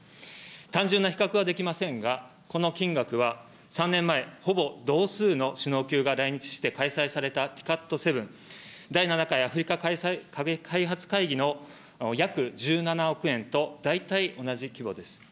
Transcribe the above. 単純な比較はできませんが、この金額は、３年前、ほぼ同数の首脳級が来日して開催されたＴＩＣＡＤ７、第７回アフリカ開発会議の約１７億円と大体同じ規模です。